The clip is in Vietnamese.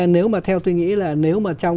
nếu mà theo tôi nghĩ là nếu mà trong